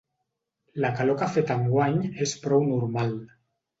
La calor que ha fet enguany és prou normal.